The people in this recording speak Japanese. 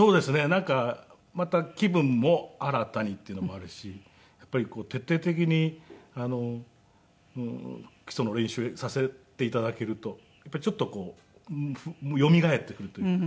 なんかまた気分も新たにっていうのもあるしやっぱり徹底的に基礎の練習させて頂けるとちょっとこうよみがえってくるというか。